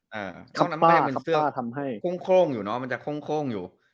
อ่าเข้าน้ำให้เป็นเสื้อคล่องคล่องอยู่เนอะมันจะคล่องคล่องอยู่